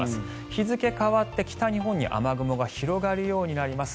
日付変わって、北日本に雨雲が広がるようになります。